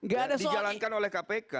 dan dijalankan oleh kpk